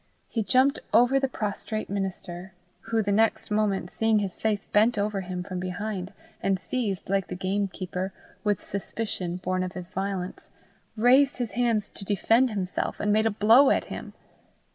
He jumped over the prostrate minister, who the next moment seeing his face bent over him from behind, and seized, like the gamekeeper, with suspicion born of his violence, raised his hands to defend himself, and made a blow at him.